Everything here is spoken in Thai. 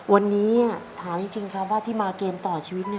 วันนี้ถามจริงครับว่าที่มาเกมต่อชีวิตเนี่ย